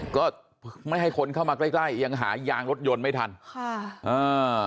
ก็ไม่ให้คนเข้ามาใกล้ใกล้ยังหายางรถยนต์ไม่ทันค่ะอ่า